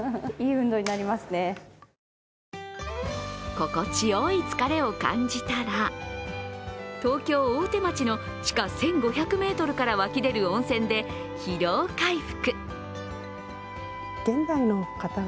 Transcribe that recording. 心地よい疲れを感じたら、東京・大手町の地下１５００ｍから湧き出る温泉で疲労回復。